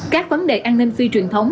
các vấn đề an ninh phi truyền thống